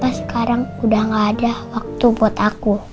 sekarang udah gak ada waktu buat aku